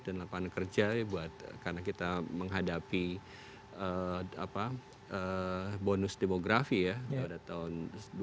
dan lapangan kerja karena kita menghadapi bonus demografi ya pada tahun dua ribu dua puluh dua ribu dua puluh lima